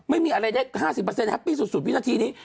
ไม่มีอะไรได้๕๐แฮปปี้สุดวินาทีนี้